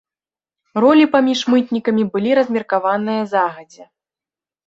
Ролі паміж мытнікамі былі размеркаваныя загадзя.